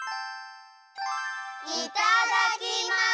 いただきます！